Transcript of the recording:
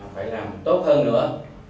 phải làm tốt hơn nữa